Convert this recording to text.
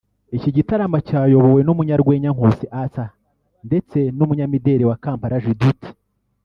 Iki gitaramo cyayobowe n’umunyarwenya Nkusi Arthur ndetse n’umunyamideri wa Kampala Judith